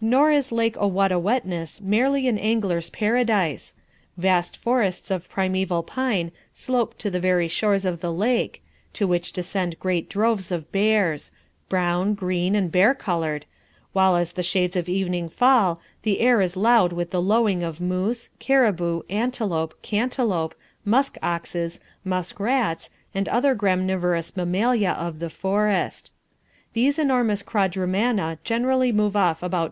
"Nor is Lake Owatawetness merely an Angler's Paradise. Vast forests of primeval pine slope to the very shores of the lake, to which descend great droves of bears brown, green, and bear coloured while as the shades of evening fall, the air is loud with the lowing of moose, cariboo, antelope, cantelope, musk oxes, musk rats, and other graminivorous mammalia of the forest. These enormous quadrumana generally move off about 10.